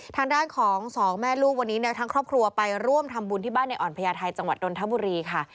ทางด้านของสองแม่ลูกวันนี้ทั้งครอบครัวไปร่วมทำบุญที่บ้านในอ่อนพญาไทยจังหวัดดนทบุรีค่ะ